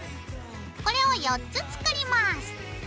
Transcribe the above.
これを４つ作ります。